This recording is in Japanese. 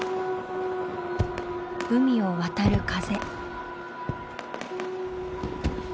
海を渡る風。